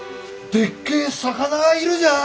でっけえ魚がいるじゃん！